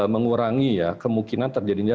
mengurangi ya kemungkinan terjadinya